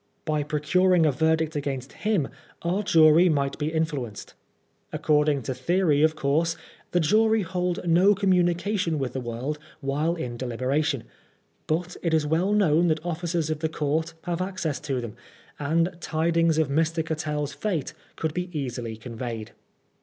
By pro cnring a verdict against him our jury might be in fluenced. According to theory, of course, the jury hold no communication with the world while in delibera tion ; but it is well known that officers of the court have access to them, and tidings of Mr. CattelFs fate could be easily conveyed.